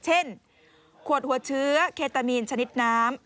เช่นขวดหัวเชื้อเคตามีนชนิดน้ำ